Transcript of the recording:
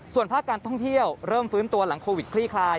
ส่วนภาคการท่องเที่ยวเริ่มฟื้นตัวหลังโควิดคลี่คลาย